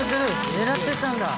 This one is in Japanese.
狙ってたんだ。